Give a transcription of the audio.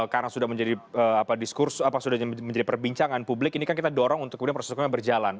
karena sudah menjadi diskurs sudah menjadi perbincangan publik ini kan kita dorong untuk kemudian proses hukumnya berjalan